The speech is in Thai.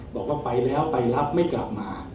บอกว่าไปแล้วไปรับไม่กลับมา